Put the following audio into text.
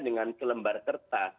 dengan selembar kertas